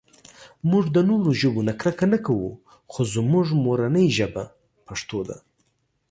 مونږ د نورو ژبو نه کرکه نهٔ کوؤ خو زمونږ مورنۍ ژبه پښتو ده